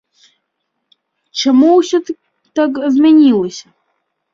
Чаму ўсё так змянілася?